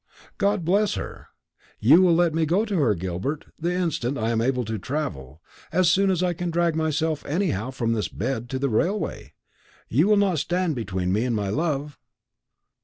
God bless her! You will let me go to her, Gilbert, the instant I am able to travel, as soon as I can drag myself anyhow from this bed to the railway? You will not stand between me and my love?"